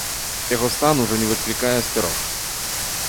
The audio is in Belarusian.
Яго стан ужо не выклікае асцярог.